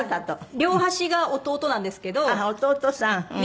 両端が弟なんですけど。